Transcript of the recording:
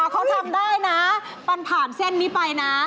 เขาทำได้นะมันผ่านเส้นนี้ไปนะ